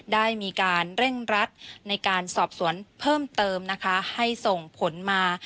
ได้มีการเร่งรัดในการสอบสวนเพิ่มเติมนะคะให้ส่งผลมา